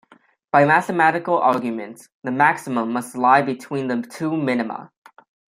By mathematical arguments, the maximum must lie between the two minima.